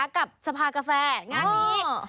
กับสภากาแฟงานนี้